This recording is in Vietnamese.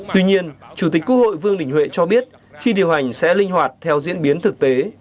tuy nhiên chủ tịch quốc hội vương đình huệ cho biết khi điều hành sẽ linh hoạt theo diễn biến thực tế